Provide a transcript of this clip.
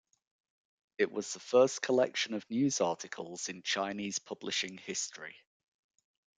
It was the first collection of news articles in Chinese publishing history.